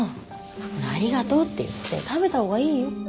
ほらありがとうって言って食べたほうがいいよ。